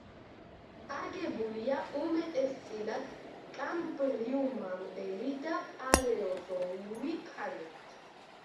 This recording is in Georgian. აგებულია უმეტესწილად კამბრიუმამდელი და პალეოზოური ქანებით.